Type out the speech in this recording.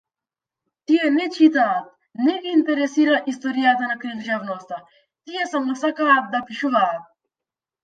Тие не читаат, не ги интересира историјата на книжевноста, тие само сакат да пишуваат.